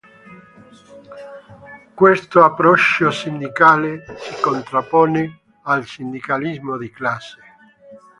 Questo approccio sindacale si contrappone al sindacalismo di classe.